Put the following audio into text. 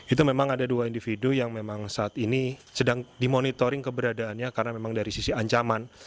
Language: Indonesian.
itu memang ada dua individu yang memang saat ini sedang dimonitoring keberadaannya karena memang dari sisi ancaman